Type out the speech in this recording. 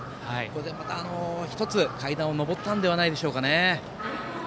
これで１つ階段を上ったのではないでしょうかね。